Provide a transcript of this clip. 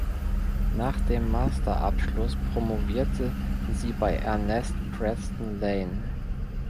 Nach dem Masterabschluss promovierte sie bei Ernest Preston Lane.